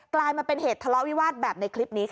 กลายมาเป็นเหตุทะเลาะวิวาสแบบในคลิปนี้ค่ะ